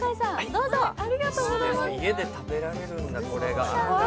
家で食べられるんだ、これが。